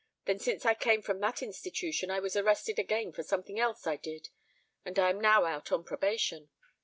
Then since I came from that institution I was arrested again for something else I did and I am now out on probation.